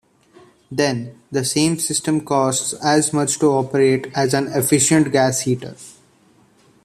Then, the same system costs as much to operate as an efficient gas heater.